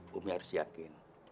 bumi harus yakin